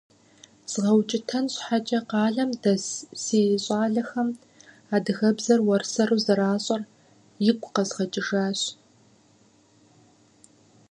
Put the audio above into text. ЗгъэукӀытэн щхьэкӀэ къалэм дэс си щӀалэхэм адыгэбзэр уэрсэру зэращӀэр игу къэзгъэкӀыжащ.